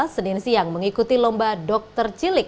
senin siang mengikuti lomba dr cilik